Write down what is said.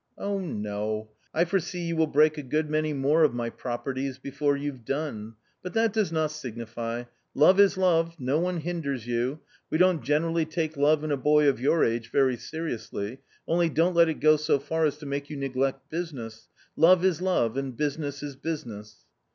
" Oh, no ! I foresee you will break a good many more of my properties before you've done. But that does not signify ; love is love, no one hinders you ; we don't generally take love in a boy of your age very seriously, only don't let it go so far as to make you neglect business, love is love and business is business."